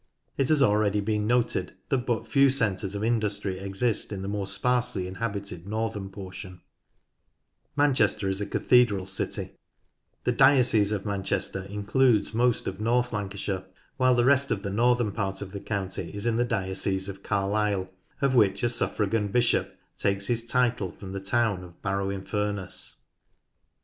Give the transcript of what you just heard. It has been already noted that but few centres of in dustry exist in the more sparsely inhabited northern portion. Manchester is a cathedral city. The diocese of c X o S c o O <n v o X rt H § Si v5> *— 5 10 NORTH LANCASHIRE Manchester includes most of North Lancashire, while the rest of the northern part of the county is in the diocese of Carlisle, of which a suffragan bishop takes his title from the town of Barrow in Furness.